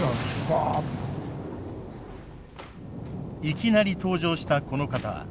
いきなり登場したこの方。